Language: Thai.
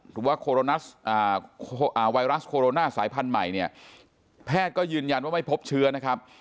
หรือว่าไวรัสโคโรนาสายพันธุ์ใหม่เนี่ยแพทย์ก็ยืนยันว่าไม่พบเชื้อนะครับ